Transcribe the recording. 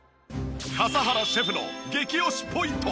笠原シェフの激推しポイント